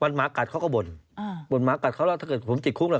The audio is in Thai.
หมากัดเขาก็บ่นอ่าบ่นหมากัดเขาแล้วถ้าเกิดผมติดคุกแล้ว